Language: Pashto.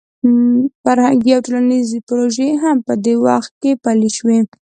فرهنګي او ټولنیزې پروژې هم په دې وخت کې پلې شوې.